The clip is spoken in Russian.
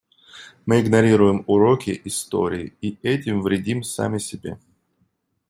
Мы игнорируем уроки истории и этим вредим сами себе.